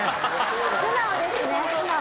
素直ですね素直。